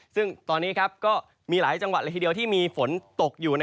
ซึ่งตอนนี้ก็มีหลายจังหวัดละทีเดียวที่มีฝนตกอยู่